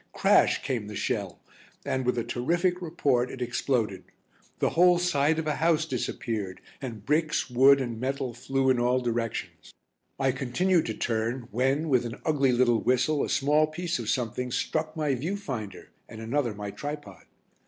Crash came the shell, and, with a terrific report, it exploded. The whole side of a house disappeared, and bricks, wood, and metal flew in all directions. I continued to turn when, with an ugly little whistle, a small piece of something struck my view finder and another my tripod.